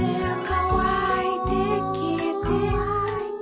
「かわいてきえて」